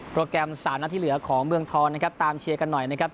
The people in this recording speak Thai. แกรม๓นัดที่เหลือของเมืองทองนะครับตามเชียร์กันหน่อยนะครับ